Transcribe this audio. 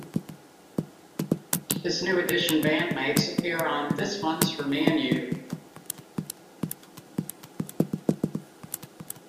His New Edition bandmates appear on "This One's For Me And You".